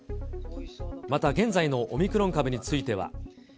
また現在のオミクロン株については。